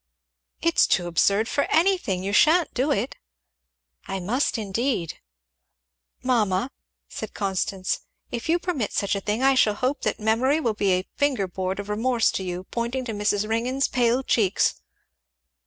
"It's too absurd for anything! You sha'n't do it." "I must indeed." "Mamma," said Constance, "if you permit such a thing, I shall hope that memory will be a fingerboard of remorse to you, pointing to Miss Ringgan's pale cheeks."